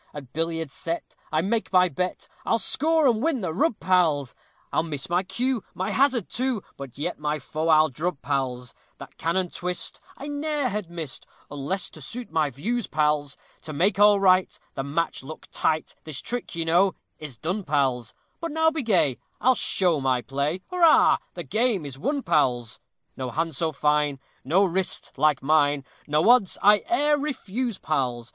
At billiards set, I make my bet, I'll score and win the rub, pals; I miss my cue, my hazard, too, But yet my foe I'll drub, pals. That cannon twist, I ne'er had missed, Unless to suit my views, pals. To make all right, the match look tight, This trick, you know, is done, pals; But now be gay, I'll show my play Hurrah! the game is won, pals. No hand so fine, No wrist like mine, No odds I e'er refuse, pals.